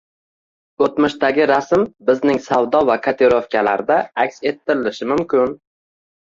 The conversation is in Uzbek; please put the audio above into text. O'tmishdagi rasm bizning savdo va kotirovkalarda aks ettirilishi mumkin